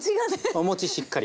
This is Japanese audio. お餅しっかり。